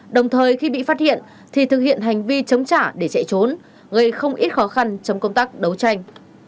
đồng thời khi bị phát hiện thì thực hiện hành vi chống trả để chạy trốn gây không ít khó khăn trong công tác đấu tranh